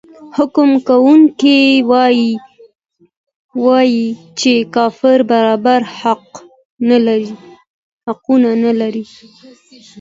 حکم کوونکی وايي چې کافر برابر حقوق نلري.